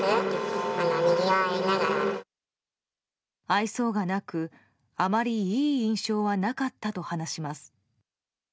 愛想がなく、あまりいい印象はなかったと話します。